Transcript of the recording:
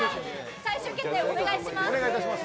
最終決定をお願いします。